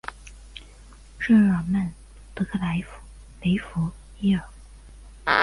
圣日尔曼德克莱雷弗伊尔。